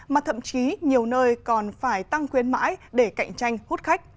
mà thậm chí nhiều nơi còn phải tăng khuyến mãi để cạnh tranh hút khách